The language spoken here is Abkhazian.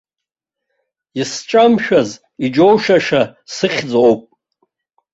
Исҿамшәаз, иџьоушьаша, сыхьӡ ауп.